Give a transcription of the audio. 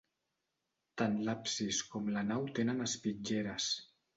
Tant l'absis com la nau tenen espitlleres.